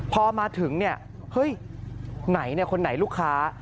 พอมาถึงเนี่ยเฮ้ยไหนเนี่ยคนไหนลูกค้า